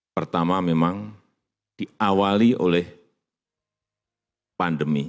pertama memang diawali oleh pandemi